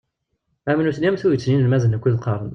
Am nutni am tuget n yinelmaden ukkud ɣaren.